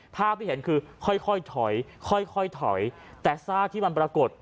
ภาพที่เห็นคือค่อยค่อยถอยค่อยถอยแต่ซากที่มันปรากฏ